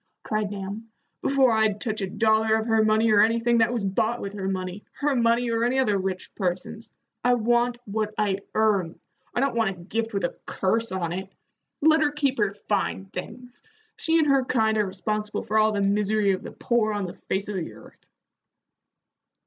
cried Nahum "before I'd touch a dollar of her money or anything that was bought with her money, her money or any other rich person's. I want what I earn. I don't want a gift with a curse on it. Let her keep her fine things. She and her kind are responsible for all the misery of the poor on the face of the earth."